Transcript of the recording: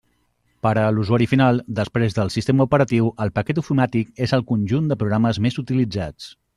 Per a l'usuari final, després del sistema operatiu, el paquet ofimàtic és el conjunt de programes més utilitzats.